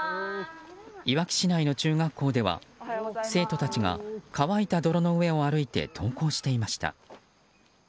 いわき市内の中学校では生徒たちが乾いた泥の上を歩いて登校していました。